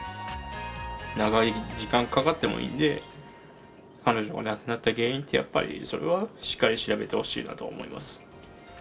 長い時間かかってもいいので彼女が亡くなった原因、それはしっかり調べてほしいなと思います。